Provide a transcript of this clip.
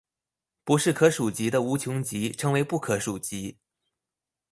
不是可数集的无穷集称为不可数集。